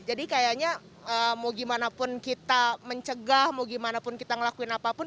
jadi kayaknya mau gimana pun kita mencegah mau gimana pun kita ngelakuin apapun